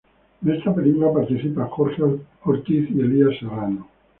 En esta película participa Jorge Ortiz y Elías Serrano.